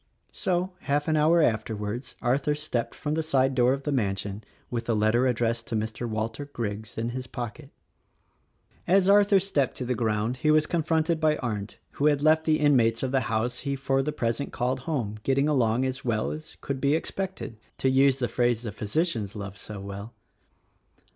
So, half an hour afterwards, Arthur stepped from the side door of the mansion with the letter addressed to Mr. Walter Griggs in his pocket. As Arthur stepped to the ground he was confronted by Arndt who had left the inmates of the house he for the present called home getting along as well as could be expected — to use the phrase the physicians love so well.